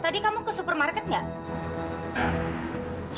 tadi kamu ke supermarket tadi kamu ke klinik